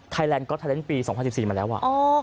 ไทยแลนด์กอร์ดไทเรนต์ปี๒๐๑๔มาแล้ว